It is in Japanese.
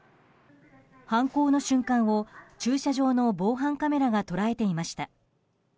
犯行の瞬間を駐車場の防犯カメラが捉えていました。